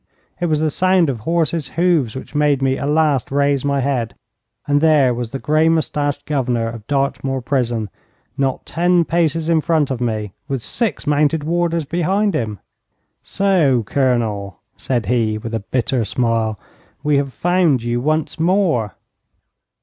It was the sound of horses' hoofs which made me at last raise my head, and there was the grey moustached Governor of Dartmoor Prison not ten paces in front of me, with six mounted warders behind him! 'So, Colonel,' said he, with a bitter smile, 'we have found you once more.'